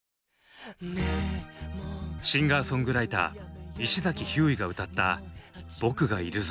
シンガーソングライター石崎ひゅーいが歌った「僕がいるぞ！」。